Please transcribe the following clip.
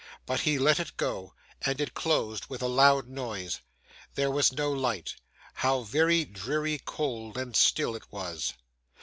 But he let it go, and it closed with a loud noise. There was no light. How very dreary, cold, and still it was!